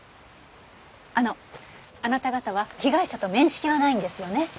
あのあなた方は被害者と面識はないんですよね？